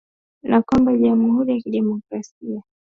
na kwamba jamhuri ya kidemokrasia ya Kongo